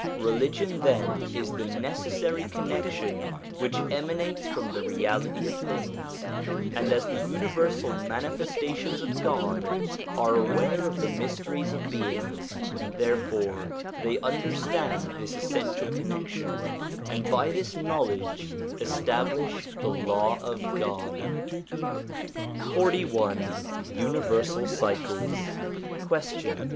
Religion, then, is the necessary connection which emanates from the reality of things; and as the universal Manifestations of God are aware of the mysteries of beings, therefore they understand this essential connection, and by this knowledge establish the Law of God. XLI THE UNIVERSAL CYCLES Question.